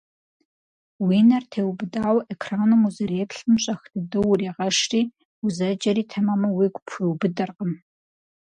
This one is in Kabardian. Уи нэр теубыдауэ экраным узэреплъым щӀэх дыдэу урегъэшри, узэджэри тэмэму уигу пхуиубыдэркъым.